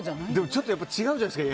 ちょっと違うじゃないですか。